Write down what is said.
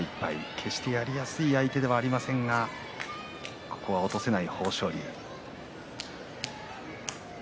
決してやりやすい相手ではありませんがここは落とせない豊昇龍。